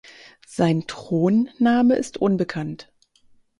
Sein Thronname ist unbekannt.